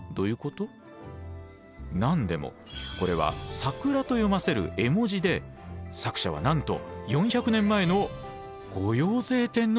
何でもこれは「桜」と読ませる絵文字で作者はなんと４００年前の後陽成天皇なんです。